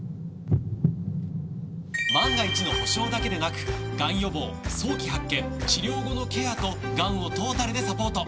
万が一の保障だけでなくがん予防早期発見治療後のケアとがんをトータルでサポート！